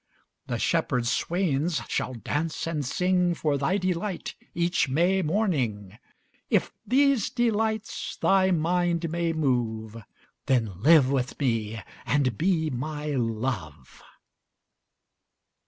20 The shepherd swains shall dance and sing For thy delight each May morning: If these delights thy mind may move, Then live with me and be my Love.